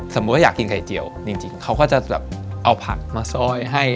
สมมุติว่าอยากกินไข่เจียวจริงเขาก็จะแบบเอาผักมาซอยให้